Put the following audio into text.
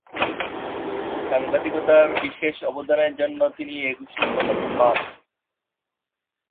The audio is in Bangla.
সাংবাদিকতায় বিশেষ অবদানের জন্য তিনি একুশে পদক পান।